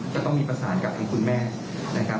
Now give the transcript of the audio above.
จะต้องมีประสานกับทางคุณแม่นะครับ